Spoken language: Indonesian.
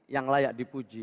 yang layak dipuji